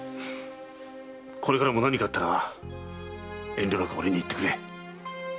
これからも何かあったら遠慮なく俺に言ってくれ。